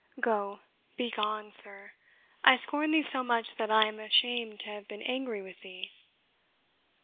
Go, begone, sir! I scorn thee so much that I am ashamed to have been angry with thee."